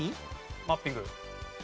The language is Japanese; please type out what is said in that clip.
マッピング。